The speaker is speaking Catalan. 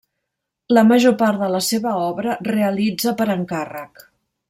La major part de la seva obra realitza per encàrrec.